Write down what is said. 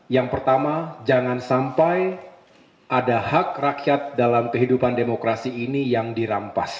yang pertama jangan sampai ada hak rakyat dalam kehidupan demokrasi ini yang dirampas